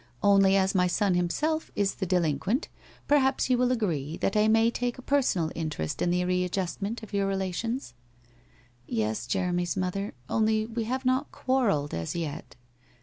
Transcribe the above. Only as my son himself is the delinquent, perhaps you will agree that I may take a personal interest in the readjustment of your relations/ ' Yes, Jeremy's mother. Only we have not quarrelled, as yet.'